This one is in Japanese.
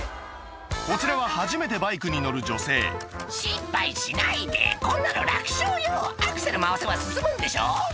こちらは初めてバイクに乗る女性「心配しないでこんなの楽勝よ」「アクセル回せば進むんでしょ」